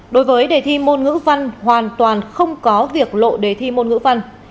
đối với đề thi môn ngữ văn hoàn toàn không có việc lộ đề thi môn ngữ văn